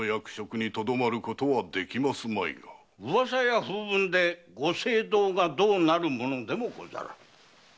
噂や風聞でご政道がどうなるものでもござらん。